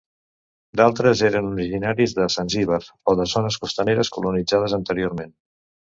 D'altres eren originaris de Zanzíbar o de zones costaneres colonitzades anteriorment.